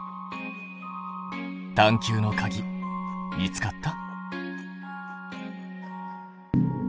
探究のかぎ見つかった？